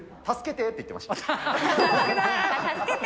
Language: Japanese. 助けてか。